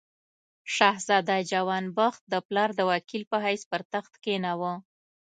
شهزاده جوان بخت د پلار د وکیل په حیث پر تخت کښېناوه.